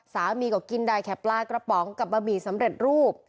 สามีก็กินได้แค่ปลากระป๋องกับบะหมี่สำเร็จรูป